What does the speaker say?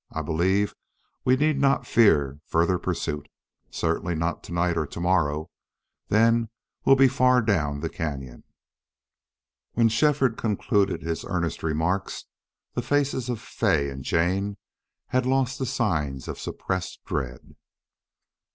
I believe we need not fear further pursuit. Certainly not to night or to morrow. Then we'll be far down the cañon." When Shefford concluded his earnest remarks the faces of Fay and Jane had lost the signs of suppressed dread.